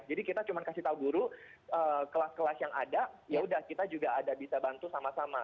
jadi kita cuma kasih tau guru kelas kelas yang ada ya udah kita juga ada bisa bantu sama sama